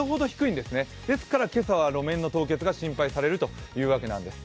ですから今朝は路面の凍結が心配されるというわけなんです。